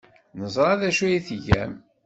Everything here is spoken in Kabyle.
Neẓra d acu ay tgamt.